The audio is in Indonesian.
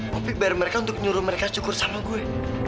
kopi bayar mereka untuk nyuruh mereka cukur sama gue